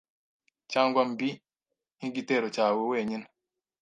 cyangwa mbi nkigitero cyawe wenyine?